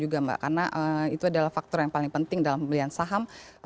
karena itu adalah faktor yang paling penting dalam pemilihan saham